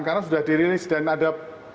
karena sudah dirilis dan ada